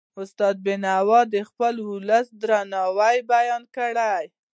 استاد بینوا د خپل ولس دردونه بیان کړل.